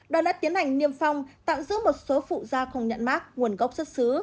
đoàn đã tiến hành niêm phong tạm giữ một số phụ da không nhận mát nguồn gốc xuất xứ